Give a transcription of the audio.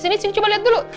sini sini coba lihat dulu